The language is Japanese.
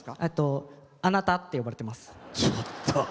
「あなた」って呼ばれてます。